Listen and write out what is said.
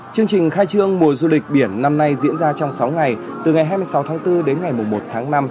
chương trình khai trương mùa du lịch biển năm nay diễn ra trong sáu ngày từ ngày hai mươi sáu tháng bốn đến ngày một tháng năm